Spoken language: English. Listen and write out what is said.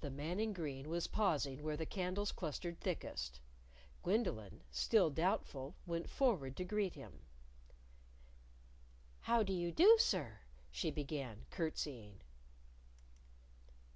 The man in green was pausing where the candles clustered thickest. Gwendolyn, still doubtful, went forward to greet him. "How do you do, sir," she began, curtseying.